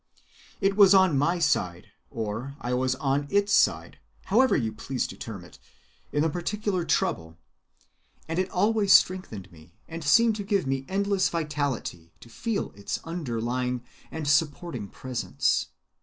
It was on my side, or I was on Its side, however you please to term it, in the particular trouble, and it always strengthened me and seemed to give me endless vitality to feel its underlying and supporting presence.